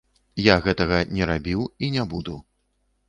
Я гэтага не рабіў і не буду.